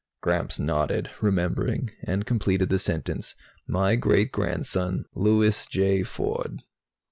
Gramps nodded, remembering, and completed the sentence "my great grandson, Louis J. Ford."